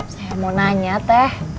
saya mau nanya teh